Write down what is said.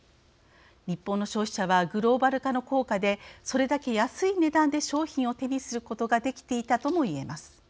日本の消費者はグローバル化の効果でそれだけ安い値段で商品を手にすることができていたとも言えます。